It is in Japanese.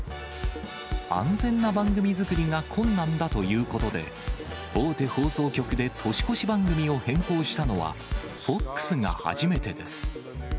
安全な番組作りが困難だということで、大手放送局で年越し番組を変更したのは、ＦＯＸが初めてです。